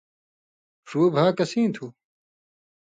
ݜُو بھا کسِیں تُھو؟